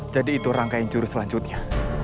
jadi itu rangkaian jurus selanjutnya